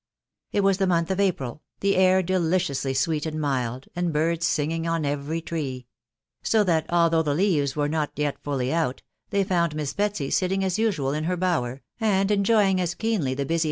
It was the month of April, the air deliciously sweet and mild, and birds singing on every tree ; so that al though the leaves were not yet fully out, they found Miss Betsy sitting as usual in her bower, and enjoying as keenly ™f J*2*^.